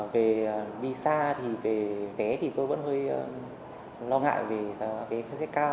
về đi xa thì về vé thì tôi vẫn hơi lo ngại về giá vé nó sẽ cao